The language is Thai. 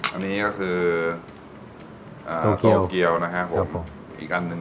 อันนี้ก็คือโตเกียลอีกอันหนึ่ง